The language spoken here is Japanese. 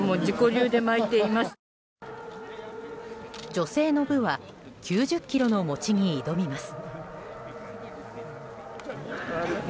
女性の部は９０ｋｇの餅に挑みます。